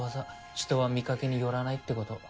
人は見かけによらないってコト。